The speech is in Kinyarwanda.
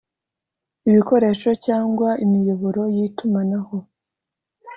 Ibikoresho cyangwa imiyoboro y itumanaho